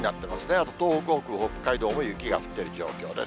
あと東北北部、北海道も雪が降っている状況です。